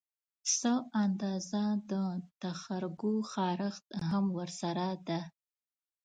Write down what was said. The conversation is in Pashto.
څه اندازه د تخرګو خارښت هم ورسره ده